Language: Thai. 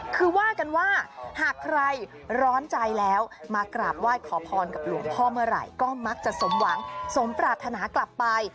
คือว่ากันว่าหากใครร้อนใจแล้วมากราบไหว้ขอพรกับหลวงพ่อเมื่อไหร่ก็มักจะสมหวังสมปรารถนากลับไป